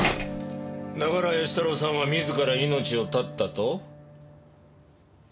だから義太郎さんは自ら命を絶ったと？